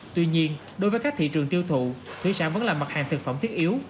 tuy nhiên đối với các thị trường tiêu thụ thủy sản vẫn là mặt hàng thực phẩm thiết yếu